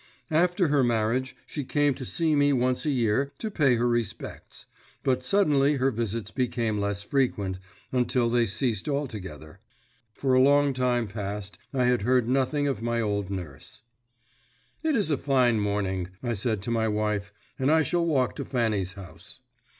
After her marriage she came to see me once a year to pay her respects; but suddenly her visits became less frequent, until they ceased altogether. For a long time past I had heard nothing of my old nurse. "It is a fine morning," I said to my wife, "and I shall walk to Fanny's house."